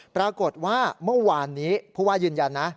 ปรากฏว่าเมื่อวานนี้ผู้ว่ายืนยันนะ